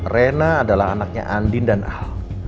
rena adalah anaknya andin dan ah